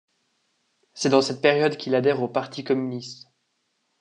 C'est dans cette période qu'il adhère au parti communiste.